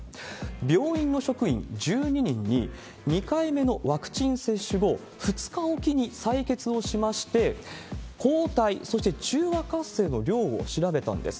病院の職員１２人に、２回目のワクチン接種後、２日置きに採血をしまして、抗体、そして中和活性の量を調べたんです。